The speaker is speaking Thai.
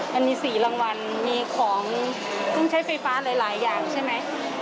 มันมี๔รางวัลมีของเครื่องใช้ไฟฟ้าหลายอย่างใช่ไหม